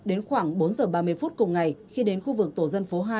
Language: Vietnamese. đến khoảng bốn giờ ba mươi phút cùng ngày khi đến khu vực tổ dân phố hai